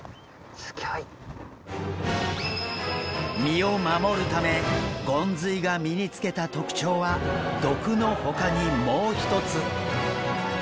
身を守るためゴンズイが身につけた特徴は毒のほかにもう一つ。